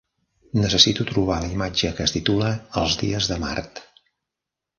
Necessito trobar la imatge que es titula Els dies de Mart.